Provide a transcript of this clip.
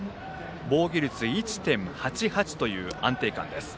防御率１．８８という安定感。